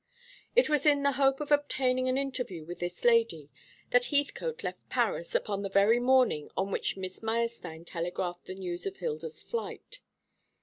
It was in the hope of obtaining an interview with this lady that Heathcote left Paris upon the very morning on which Miss Meyerstein telegraphed the news of Hilda's flight.